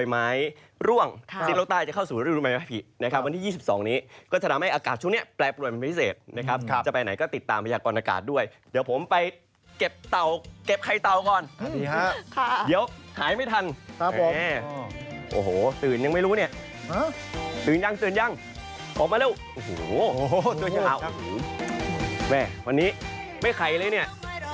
แม่วันนี้ไม่มีใครเลยเนี่ย